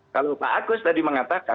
kalau pak agus tadi mengatakan